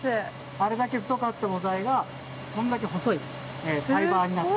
あれだけ太かった母材がこれだけ細いファイバーになって。